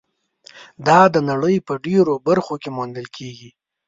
دا د نړۍ په ډېرو برخو کې موندل کېږي.